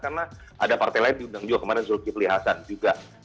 karena ada partai lain diundang juga kemarin zulkifli hasan juga